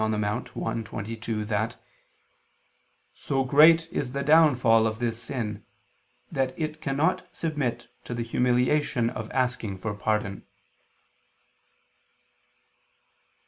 in Monte i, 22) that "so great is the downfall of this sin that it cannot submit to the humiliation of asking for pardon."